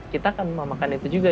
kita akan memakan itu juga